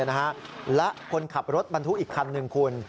และคนขับรถบรรทุกอีกคันหนึ่งคุณ